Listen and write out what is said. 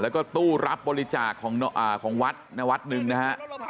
แล้วก็ตู้รับบริจาคของวัดนวัดหนึ่งนะฮะ